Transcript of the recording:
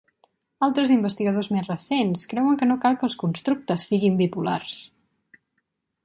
Altres investigadors més recents creuen que no cal que els constructes siguin bipolars.